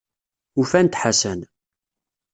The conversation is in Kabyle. Ufan-d Ḥasan.